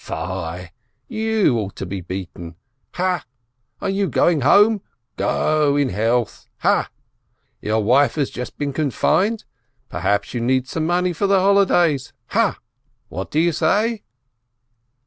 Fie ! You ought to be beaten ! Ha ? Are you going home? Go in health! Ha? Your wife has just been confined? — Perhaps you need some money for the holi days? Ha? What do you say?"